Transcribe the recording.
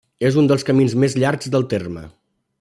És un dels camins més llargs del terme.